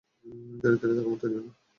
ধীরে, তাকে মরতে দিও না।